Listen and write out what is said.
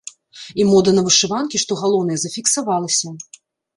І мода на вышыванкі, што галоўнае, зафіксавалася!